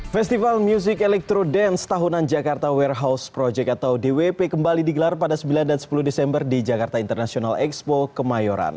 festival music electro dance tahunan jakarta warehouse project atau dwp kembali digelar pada sembilan dan sepuluh desember di jakarta international expo kemayoran